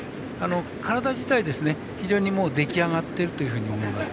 体自体、非常に出来上がっているというふうに思います。